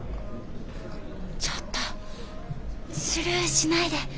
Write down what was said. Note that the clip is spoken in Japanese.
ちょっとスルーしないで。